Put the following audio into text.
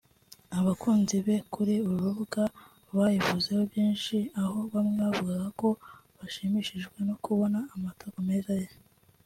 abakunzi be kuri uru rubuga bayivuzeho byinshi aho bamwe bavugaga ko bashimishijwe no kubona amatako meza ye